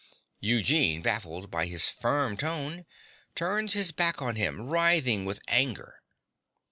(Eugene, baffled by his firm tone, turns his back on him, writhing with anger.